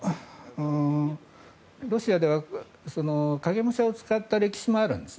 ロシアでは影武者を使った歴史もあるんです。